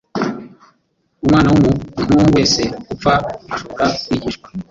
umwana w'umuntu wese upfa ashobora kwigishwa.